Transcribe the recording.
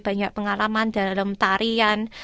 banyak pengalaman dalam tarian